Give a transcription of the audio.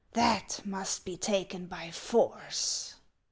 That must be taken by force."